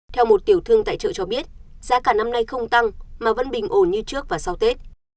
theo một tiểu thương tại chợ cho biết giá cả năm nay không tăng mà vẫn bình ổn như trước và sau tết